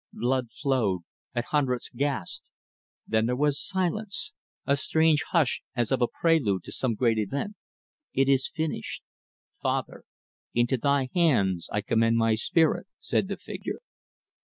Blood flowed, and hundreds gasped. Then there was silence a strange hush as of a prelude to some great event. "It is finished. Father, into Thy hands I commend my spirit," said the Figure.